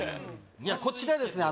こちらですね